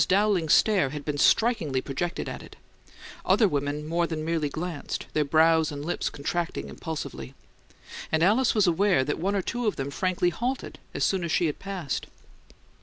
Dowling's stare had been strikingly projected at it; other women more than merely glanced, their brows and lips contracting impulsively; and Alice was aware that one or two of them frankly halted as soon as she had passed.